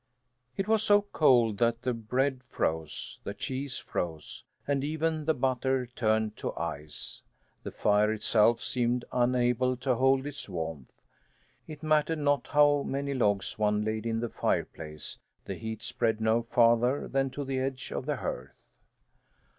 It was so cold that the bread froze; the cheese froze, and even the butter turned to ice. The fire itself seemed unable to hold its warmth. It mattered not how many logs one laid in the fireplace, the heat spread no farther than to the edge of the hearth.